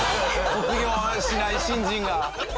卒業しない新人が？